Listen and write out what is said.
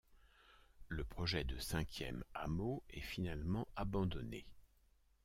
Le projet de cinquième hameau est finalement abandonné.